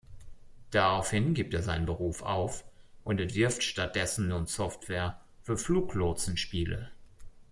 Daraufhin gibt er seinen Beruf auf und entwirft stattdessen nun Software für Fluglotsen-Spiele.